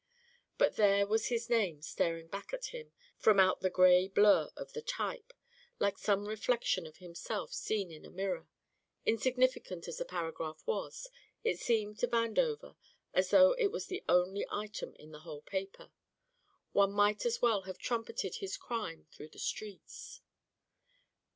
But there was his name staring back at him from out the gray blur of the type, like some reflection of himself seen in a mirror. Insignificant as the paragraph was, it seemed to Vandover as though it was the only item in the whole paper. One might as well have trumpeted his crime through the streets.